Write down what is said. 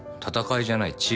闘いじゃない。